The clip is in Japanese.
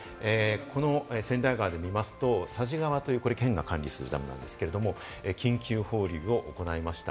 この千代川で見ますと、佐治川という県が管理するダムなんですけれども、緊急放流を行いました。